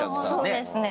そうですね